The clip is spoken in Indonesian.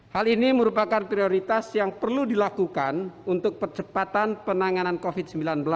hal ini merupakan prioritas yang perlu dilakukan untuk percepatan penanganan covid sembilan belas